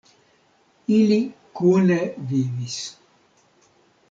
Ili kune vivis.